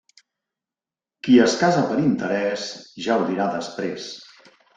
Qui es casa per interès ja ho dirà després.